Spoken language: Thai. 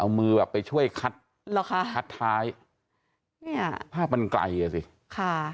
เอามือแบบไปช่วยคัดเหรอคะคัดท้ายเนี่ยภาพมันไกลอ่ะสิค่ะ